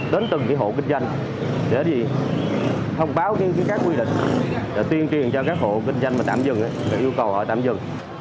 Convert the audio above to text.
tấn từng hộ kinh doanh sẽ đi thông báo các quy định tuyên truyền cho các hộ kinh doanh tạm dừng yêu cầu họ tạm dừng